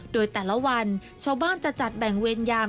โดยแต่ละวันชาวบ้านจะจัดแบ่งเวรยาม